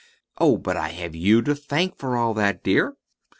"Oh, but I have you to thank for all that, dear."